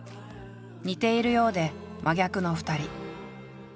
似ているようで真逆の２人。